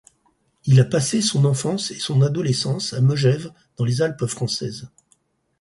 Il a passé son enfance et son adolescence à Megève dans les Alpes françaises.